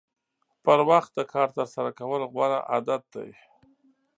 پر وخت د کار ترسره کول غوره عادت دی.